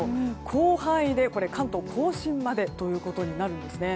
広範囲で関東・甲信までということになるんですね。